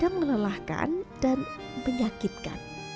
ia akan mengelelahkan dan menyakitkan